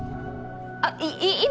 あっい今？